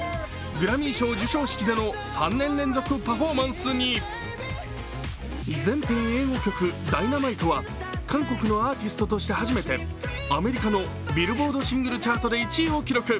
グラミー賞授賞式での、３年連続パフォーマンスに、全編英語曲、「Ｄｙｎａｍｉｔｅ」は韓国のアーティストとして初めて、アメリカのビルボードチャートランキングで１位を記録。